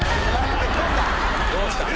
どうした？